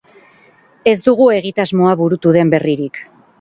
Ez dugu egitasmoa burutu den berririk.